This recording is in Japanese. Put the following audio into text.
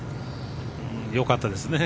よかったですね